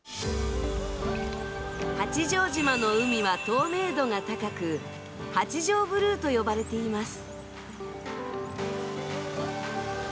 八丈島の海は透明度が高く、八丈ブルーと呼ばれています。